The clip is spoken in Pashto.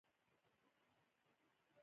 دا بېلابېل ډولونه په اسانۍ اهلي کېدای شول